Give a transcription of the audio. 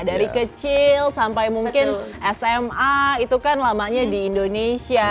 dari kecil sampai mungkin sma itu kan lamanya di indonesia